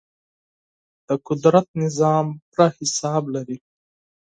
د قدرت نظام پوره حساب لري.